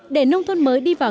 để nông thôn mới đi vào